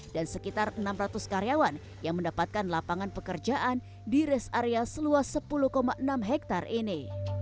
dan sekitar enam ratus karyawan yang mendapatkan lapangan pekerjaan di rest area seluas sepuluh enam hektare ini